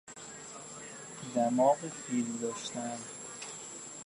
دماغ فیل داشتن